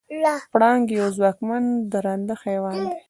پړانګ یو ځواکمن درنده حیوان دی.